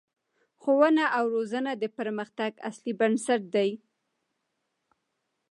ښوونه او روزنه د پرمختګ اصلي بنسټ دی